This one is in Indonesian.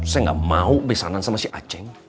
saya nggak mau besanan sama si aceh